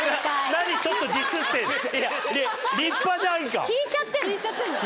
何ちょっとディスってんだ。